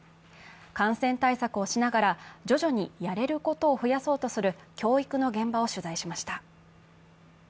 感染対策をしながら徐々にやれることを増やそうとする教育の現場を取材しました。